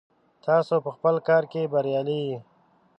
تاسو په خپل کار کې بریالي یئ.